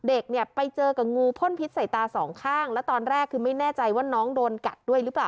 เด็กเนี่ยไปเจอกับงูพ่นพิษใส่ตาสองข้างแล้วตอนแรกคือไม่แน่ใจว่าน้องโดนกัดด้วยหรือเปล่า